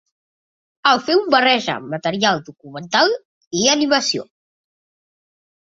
El film barreja material documental i animació.